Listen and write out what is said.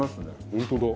本当だ。